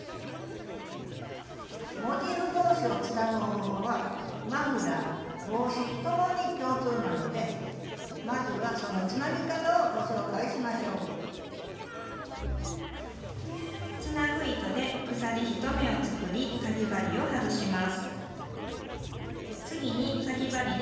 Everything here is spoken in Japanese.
モチーフ同士をつなぐ方法はマフラー帽子ともに共通なのでまずはそのつなぎ方をご紹介しましょうつなぐ糸で鎖１目を作りかぎ針を外します。